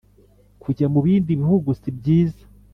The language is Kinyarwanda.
kujya mu bindi bihugu sibyiza